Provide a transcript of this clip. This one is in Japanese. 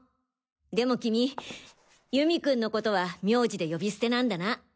でも君祐美君のことは名字で呼び捨てなんだな。